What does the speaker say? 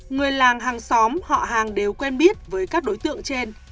người làng hàng xóm họ hàng đều quen biết với các đối tượng trên